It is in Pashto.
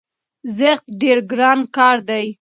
زښت ډېر ګران کار دی،